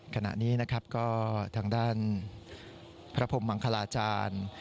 ขณะนี้ทางด้านพระพรหมังคลาจาน